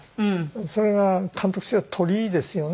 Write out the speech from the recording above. それが監督としては撮りいいですよね。